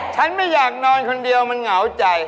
ฉันไม่อยากนอนคนเดียวมันเหงาใจ